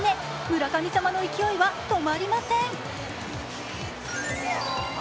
村神様の勢いは止まりません。